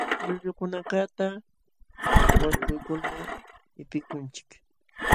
Llullukunakaqta wankuykulmi qipikunchik.